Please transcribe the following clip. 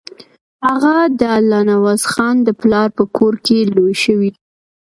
هغه د الله نوازخان د پلار په کور کې لوی شوی.